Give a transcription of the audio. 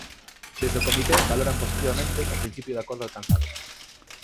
Desde o comité valoran positivamente o principio de acordo alcanzado.